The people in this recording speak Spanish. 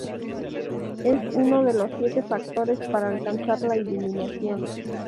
Es uno de los siete factores para alcanzar la iluminación.